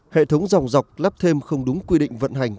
hệ thống dòng dọc lắp thêm không đúng quy định vận hành